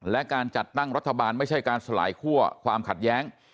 และการจัดตั้งรัฐบาลไม่ใช่การสลายคั่วความขัดแย้ง